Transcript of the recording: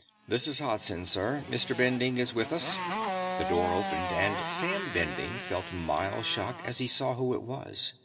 "This is Hodsen, sir. Mr. Bending is with us." The door opened, and Sam Bending felt mild shock as he saw who it was.